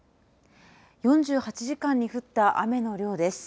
４８時間に降った雨の量です。